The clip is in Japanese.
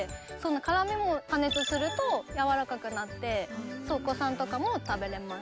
辛みも加熱するとやわらかくなってお子さんとかも食べれます。